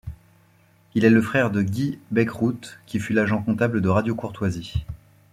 Il est le frère de Guy Baeckeroot, qui fut l'agent comptable de Radio Courtoisie.